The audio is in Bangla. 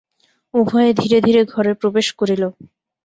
উভয়ে ধীরে ধীরে ঘরে প্রবেশ করিল।